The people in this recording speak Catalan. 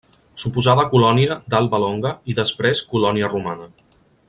Suposada colònia d'Alba Longa i després colònia romana.